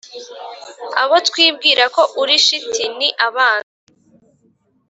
abo twibwira ko uri shiti ni abanzi